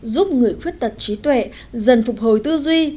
giúp người khuyết tật trí tuệ dần phục hồi tư duy